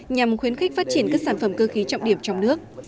nhằm khuyến khích phát triển các sản phẩm cơ khí trọng điểm trong nước